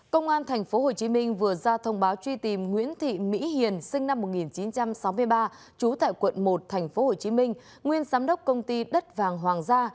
công an tp hcm vừa ra thông báo truy tìm nguyễn thị mỹ hiền sinh năm một nghìn chín trăm sáu mươi ba trú tại quận một tp hcm nguyên giám đốc công ty đất vàng hoàng gia